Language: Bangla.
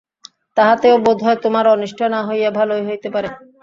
তাহাতেও বোধ হয় তোমার অনিষ্ট না হইয়া ভালোই হইতে পারে।